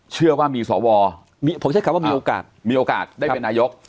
เชื่อว่ามีสวผมใช้คำว่ามีโอกาสมีโอกาสได้เป็นนายก